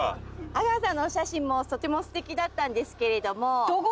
阿川さんのお写真もとても素敵だったんですけれども。